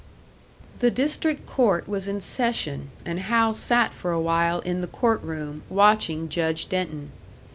The district court was in session and Hal sat for a while in the court room, watching Judge Denton.